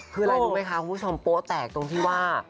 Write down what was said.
คืออะไรรู้ไหมคะคุณผู้ชมโป๊ะแตกตรงที่ว่า